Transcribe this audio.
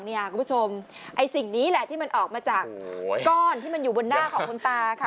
คุณผู้ชมไอ้สิ่งนี้แหละที่มันออกมาจากก้อนที่มันอยู่บนหน้าของคุณตาค่ะ